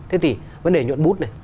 thế thì vấn đề nhuận bút này